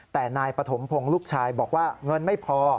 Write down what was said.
แต่นายปฐมพงศ์ลูกชายบอกว่าเงินไม่พอ